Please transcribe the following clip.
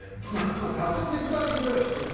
多少手伝いぐらいはするよ。